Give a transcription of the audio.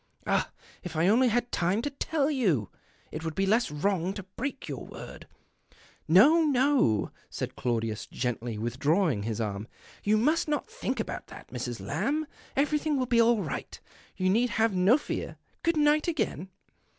Ah, if I only had time to tell you ! It would be less wrong to l)reak your word "" No, no," said Claudius, gently withdraw ing his arm, " you must not think about this, Mrs. Lamb. Everything will be all right. You need have no fear. Good night again."